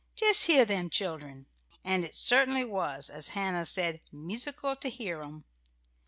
Just hear them children." And it certainly was, as Hannah said, "musical to hear 'em."